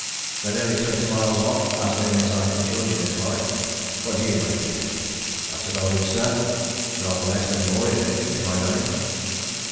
They're nearly twenty miles off, as nearly as I can judge in this light. What do you make it?" "That's about it, sir; rather less than more, if anything, to my mind."